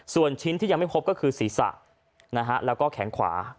ส่วนชิ้นที่ยังไม่พบก็คือศีรษะแล้วก็แขนขวา